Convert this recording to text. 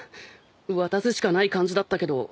渡すしかない感じだったけど。